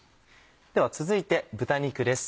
では続いて豚肉です。